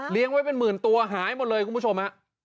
เลี้ยงไว้เป็นหมื่นตัวหายหมดเลยคุณผู้ชม